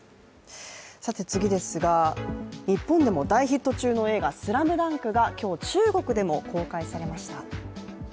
日本でも大ヒット中の映画「ＳＬＡＭＤＵＮＫ」が今日、中国でも公開されました。